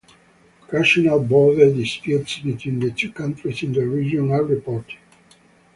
Occasional border disputes between the two countries in the region are reported.